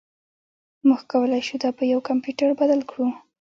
موږ کولی شو دا په یو کمپیوټر بدل کړو